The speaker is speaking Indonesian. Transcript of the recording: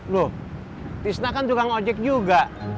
loh tisna kan tukang ojek juga